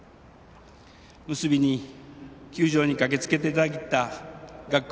結びに球場に駆けつけていただいた学校